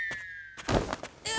えっ？